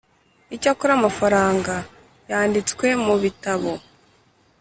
Icyakora amafaranga yanditswe mu bitabo